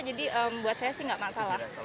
jadi buat saya sih tidak masalah